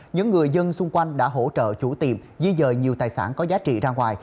những người dân xung quanh đã hỗ trợ chủ tiệm di dời nhiều tài sản có giá trị ra ngoài